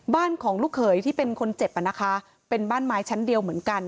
บ้านของลูกเขยที่เป็นคนเจ็บอ่ะนะคะเป็นบ้านไม้ชั้นเดียวเหมือนกัน